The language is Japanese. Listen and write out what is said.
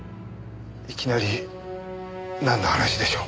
いきなりなんの話でしょう。